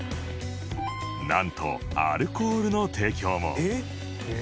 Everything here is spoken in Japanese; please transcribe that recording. なんとアルコールの提供も